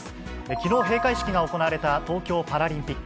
きのう閉会式が行われた東京パラリンピック。